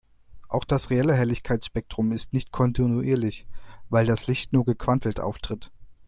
Auch das reale Helligkeitsspektrum ist nicht kontinuierlich, weil Licht nur gequantelt auftritt.